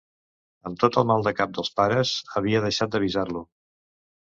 Amb tot el mal de cap dels pares, havia deixat d'avisar-lo.